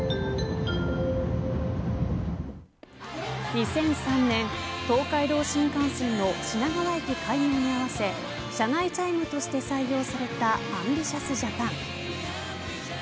２００３年、東海道新幹線の品川駅開業に合わせ車内チャイムとして採用されたＡＭＢＩＴＩＯＵＳＪＡＰＡＮ！